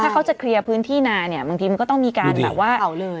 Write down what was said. ถ้าเขาจะเคลียร์พื้นที่นาเนี่ยบางทีมันก็ต้องมีการแบบว่าเอาเลย